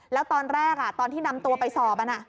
แล้วตอนแรกตอนที่นำตัวไปสอบ